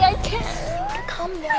maaf ya pak makasih pak